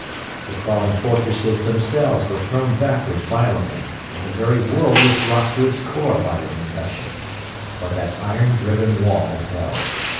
The crawling fortresses themselves were thrown backward violently and the very world was rocked to its core by the concussion, but that iron driven wall held.